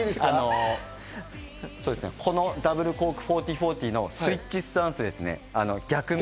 このダブルコーク１４４０のスイッチスタンスですね。